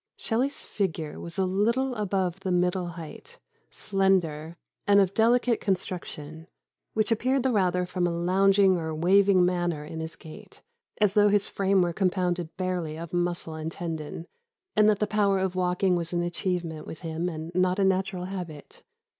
] "Shelley's figure was a little above the middle height, slender, and of delicate construction, which appeared the rather from a lounging or waving manner in his gait, as though his frame was compounded barely of muscle and tendon; and that the power of walking was an achievement with him and not a natural habit.